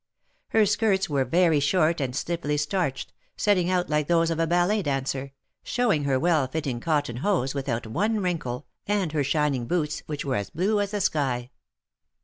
Her skirts were very short and stiffly starched, setting out like those of a ballet dancer, showing her well fitting cotton hose without one wrinkle, and her shining boots, which were as blue as the sky.